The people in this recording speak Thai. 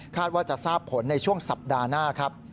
ว่าจะทราบผลในช่วงสัปดาห์หน้าครับ